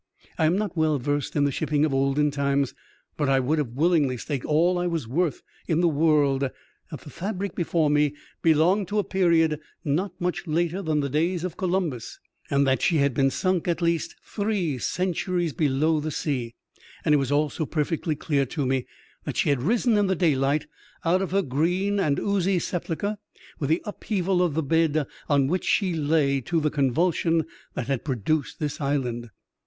I am not well versed in the shipping of olden times, but I would have willingly staked all I was worth in the world that the fabric before me belonged to a period not much later than the days of Columbus, and that she had been sunk at least three centuries below the sea ; and it was also perfectly clear to me that she had risen in the daylight, out of her green and oozy sepulchre, with the upheaval of the bed on which she lay to the convulsion that had produced this island.